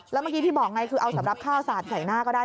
แล้วเมื่อกี้ที่บอกไงคือเอาสำหรับข้าวสาดใส่หน้าก็ได้